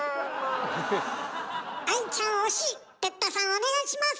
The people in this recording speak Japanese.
お願いします！